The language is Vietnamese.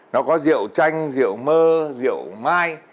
nó có rượu chanh rượu mơ rượu mai